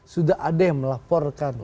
sudah ada yang melaporkan